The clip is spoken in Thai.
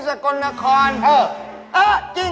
สักครู่ครับครับ